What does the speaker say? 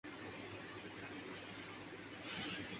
عمران خان ایسی باتیں کر سکتے ہیں۔